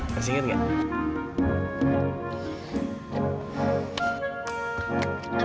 kasih ingat ya